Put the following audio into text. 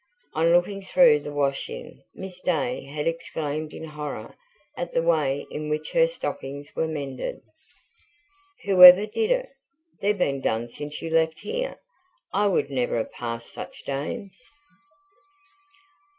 On looking through the washing, Miss Day had exclaimed in horror at the way in which her stockings were mended. "Whoever did it? They've been done since you left here. I would never have passed such dams."